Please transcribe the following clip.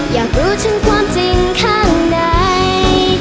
อยากรู้ถึงความจริงข้างใด